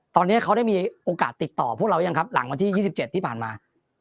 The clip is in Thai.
ตอนนี้เขาได้มีโอกาสติดต่อพวกเรายังครับหลังวันที่๒๗ที่ผ่านมา